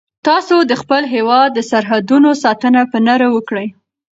تاسو د خپل هیواد د سرحدونو ساتنه په نره وکړئ.